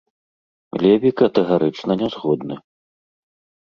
Леві катэгарычна не згодны.